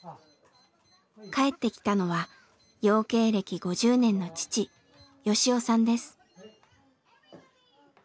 帰ってきたのは養鶏歴５０年の父吉雄さんです。